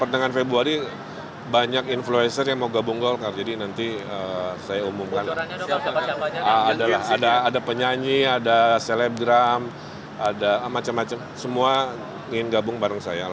diajak bergabung dengan partai golkar